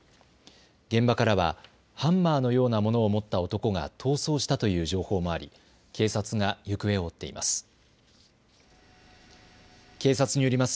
現場からはハンマーのようなものを持った男が逃走したという情報もあり警察が行方を追っています。